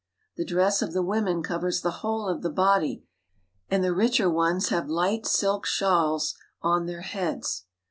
The dress of the women covers the whole of the body, and the richer ones have light silk shawls on their heads.